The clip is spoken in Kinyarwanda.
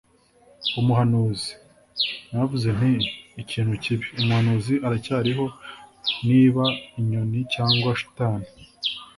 umuhanuzi! naravuze nti ikintu kibi! umuhanuzi aracyariho, niba inyoni cyangwa shitani